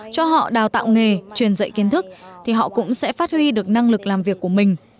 cho họ đào tạo nghề truyền dạy kiến thức thì họ cũng sẽ phát huy được năng lực làm việc của mình